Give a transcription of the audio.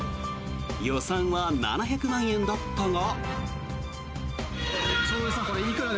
予算は７００万円だったが。